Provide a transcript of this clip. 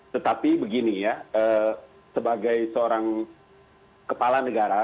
tetapi begini ya sebagai seorang kepala negara